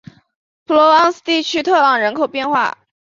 普罗旺斯地区特朗人口变化图示